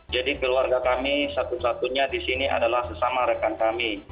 jadi keluarga kami satu satunya di sini adalah sesama rekan kami